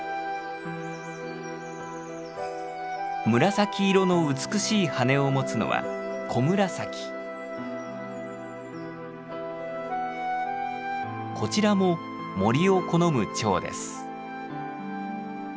紫色の美しい羽を持つのはこちらも森を好むチョウです。